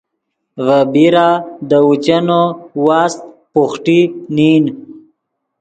ڤے بیرا دے اوچینو واست بوخٹی نین